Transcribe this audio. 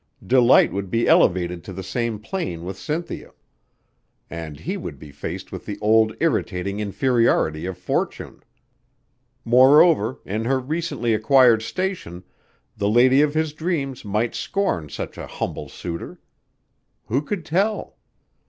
Delight would be elevated to the same plane with Cynthia, and he would be faced with the old irritating inferiority of fortune. Moreover, in her recently acquired station, the lady of his dreams might scorn such a humble suitor. Who could tell?